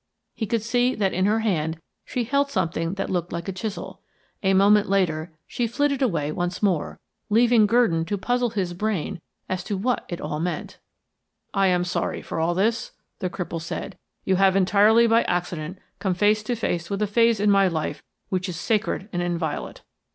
He could see that in her hand she held something that looked like a chisel. A moment later she flitted away once more, leaving Gurdon to puzzle his brain as to what it all meant. "I am sorry for all this," the cripple said. "You have entirely by accident come face to face with a phase in my life which is sacred and inviolate.